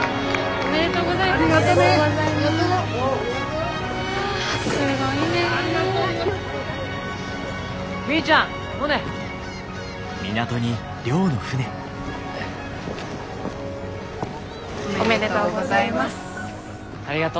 おめでとうございます。ありがと。